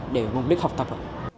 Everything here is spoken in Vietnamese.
để mục đích học tập